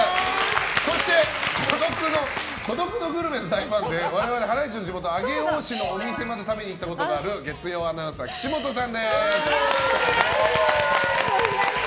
そして「孤独のグルメ」の大ファンで我々ハライチの地元・上尾市までお店に食べに来たことがある月曜アナウンサーの岸本さんです。